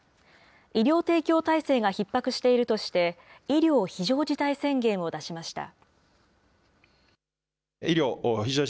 医療提供体制がひっ迫しているとして、医療非常事態宣言を出しました。